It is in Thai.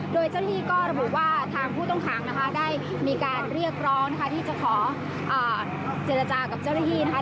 โดยเจ้าหน้าที่ก็ระบุว่าทางผู้ต้องขังนะคะได้มีการเรียกร้องนะคะที่จะขอเจรจากับเจ้าหน้าที่นะคะ